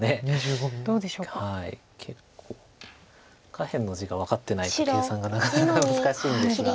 下辺の地が分かってないと計算がなかなか難しいんですが。